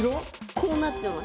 こうなってます。